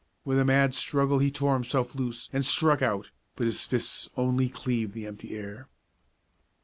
With a mad struggle he tore himself loose and struck out, but his fists only cleaved the empty air.